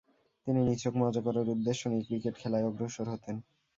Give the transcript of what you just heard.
তিনি নিছক মজা করার উদ্দেশ্য নিয়ে ক্রিকেট খেলায় অগ্রসর হতেন।